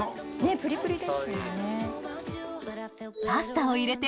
プリプリですよね。